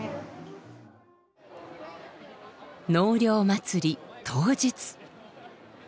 「納涼まつり」当日。